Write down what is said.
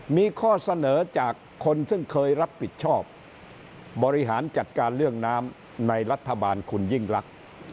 มีข้อเสนอจากคนซึ่งเคยรับผิดชอบบริหารจัดการเรื่องน้ำในรัฐบาลคุณยิ่งรัก